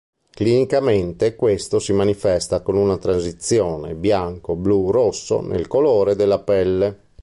Clinicamente questo si manifesta con una transizione bianco-blu-rosso nel colore della pelle.